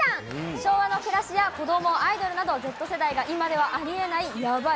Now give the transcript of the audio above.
昭和の暮らしや子供、アイドルなどＺ世代が今ではありえないやばい